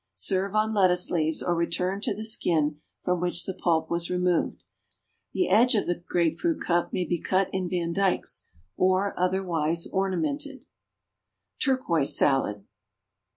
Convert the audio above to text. Serve on lettuce leaves, or return to the skin from which the pulp was removed. The edge of the grapefruit cup may be cut in vandykes, or otherwise ornamented. =Turquoise Salad.